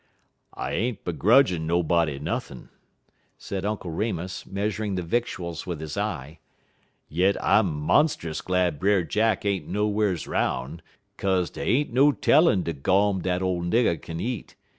"I ain't begrudgin' nobody nothin'," said Uncle Remus, measuring the victuals with his eye; "yit I'm monst'us glad Brer Jack ain't nowhar's 'roun', 'kaze dey ain't no tellin' de gawm dat ole nigger kin eat.